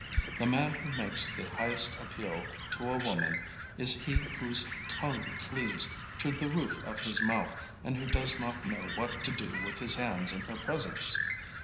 The man who makes the highest appeal to a woman is he whose tongue cleaves to the roof of his mouth and who does not know what to do with his hands in her presence.